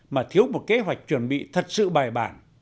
mà thiếu một kế hoạch chuẩn bị thật sự bài bản